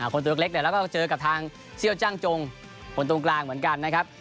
ตัวเล็กเนี่ยแล้วก็เจอกับทางเซี่ยวจ้างจงคนตรงกลางเหมือนกันนะครับ